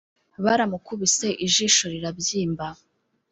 Baramukubise ijisho rirabyimba